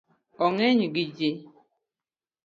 Ong’eny gi ji